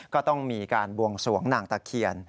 ก็ต้องมีการบวงสวงนางตะเคียน